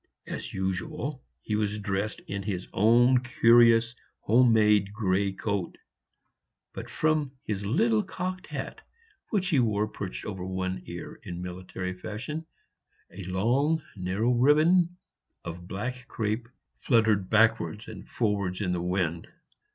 As usual, he was dressed in his own curious home made gray coat; but from his little cocked hat, which he wore perched over one ear in military fashion, a long narrow ribbon of black crape fluttered backwards and forwards in the wind.